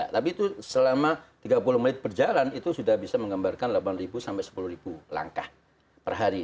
tapi itu selama tiga puluh menit berjalan itu sudah bisa menggambarkan delapan sampai sepuluh langkah per hari